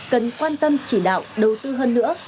cần quan tâm chỉ đạo đầu tư hơn nữa